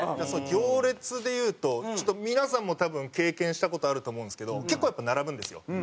行列で言うと皆さんも多分経験した事あると思うんですけど結構やっぱ並ぶんですよ。